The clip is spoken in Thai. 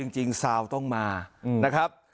จริงซาวต้องมานะครับ